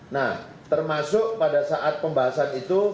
nah termasuk pada saat pembahasan itu